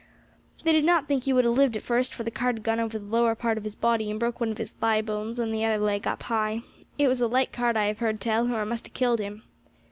They did not think he would have lived at first, for the cart had gone over the lower part of his body and broke one of his thigh bones, and the other leg up high. It was a light cart I have heard tell, or it must have killed him.